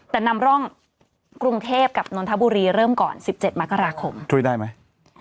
แต่นำร่องกรุงเทพกับนนทบุรีเริ่มก่อน๑๗มกราคมช่วยได้ไหม